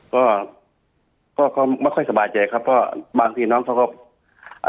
ก็ก็ก็ไม่ค่อยสบายใจครับเพราะบางทีน้องเขาก็อ่า